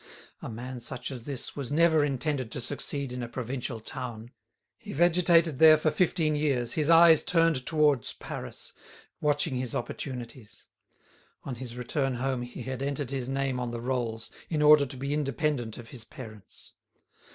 A man such as this was never intended to succeed in a provincial town. He vegetated there for fifteen years, his eyes turned towards Paris, watching his opportunities. On his return home he had entered his name on the rolls, in order to be independent of his parents.